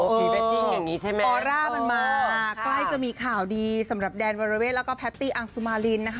ออร่ามันมากใกล้จะมีข่าวดีสำหรับแดนเวอร์เวสแล้วก็แพตตี้อังสุมารินนะคะ